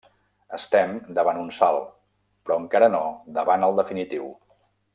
Estem davant un salt, però encara no davant el definitiu.